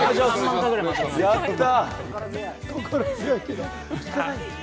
やった。